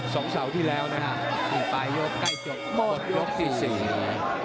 สองเสาร์ที่แล้วนะครับปลายยกใกล้จบหมดยกที่สี่